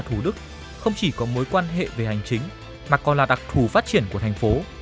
thủ đức không chỉ có mối quan hệ về hành chính mà còn là đặc thù phát triển của thành phố